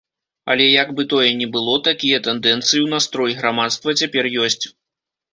Але як бы тое ні было, такія тэндэнцыі ў настроі грамадства цяпер ёсць.